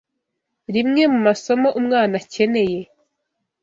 Rimwe mu masomo umwana akeneye